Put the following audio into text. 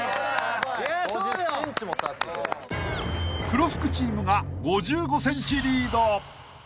［黒服チームが５５ｃｍリード］